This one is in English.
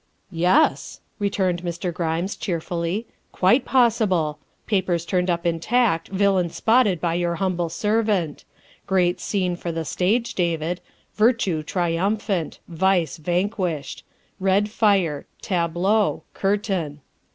" Yes," returned Mr. Grimes cheerfully, " quite pos sible. Papers turned up intact, villain spotted by your humble servant. Great scene for the stage, David. Virtue triumphant. Vice vanquished. Red fire. Tableau. Curtain."